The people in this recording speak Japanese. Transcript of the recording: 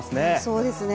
そうですね。